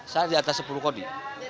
saya di atas sepuluh kodi